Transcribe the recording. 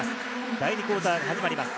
第２クオーターが始まります。